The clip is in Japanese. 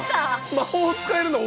魔法使えるの？